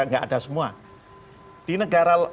nggak ada semua di negara